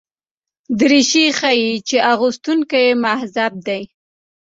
دریشي ښيي چې اغوستونکی مهذب دی.